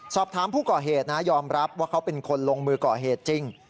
สอบถามผู้ก่อเหตุนะยอมรับว่าเขาเป็นคนลงมือก่อเหตุจริง